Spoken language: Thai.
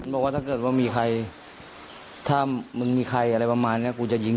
บอกว่าถ้าเกิดว่ามีใครถ้ามึงมีใครอะไรประมาณนี้กูจะยิง